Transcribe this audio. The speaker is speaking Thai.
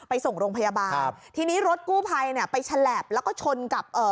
ไปส่งโรงพยาบาลครับทีนี้รถกู้ภัยเนี่ยไปฉลับแล้วก็ชนกับเอ่อ